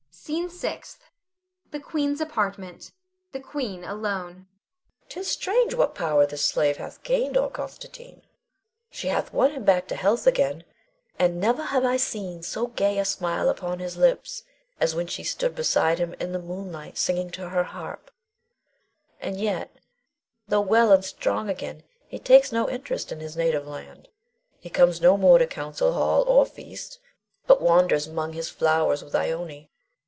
SCENE SIXTH. [The Queen's apartment. The Queen alone.] Queen. 'Tis strange what power this slave hath gained o'er Constantine. She hath won him back to health again, and never have I seen so gay a smile upon his lips as when she stood beside him in the moonlight singing to her harp. And yet, tho' well and strong again, he takes no interest in his native land. He comes no more to council hall or feast, but wanders 'mong his flowers with Ione.